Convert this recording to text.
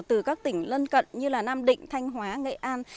từ các tỉnh lân cận như nam định thanh hóa nghệ an